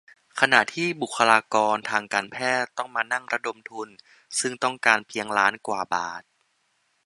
ขณะที่บุคลากรทางการแพทย์ต้องมานั่งระดมทุน ซึ่งต้องการเพียงล้านกว่าบาท :